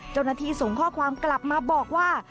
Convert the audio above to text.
เจ้าหน้าที่ส่งข้อความกลับมาบอกว่า